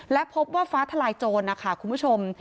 และพบว่าฟ้าทลายโจรนะคะคุณผู้ชม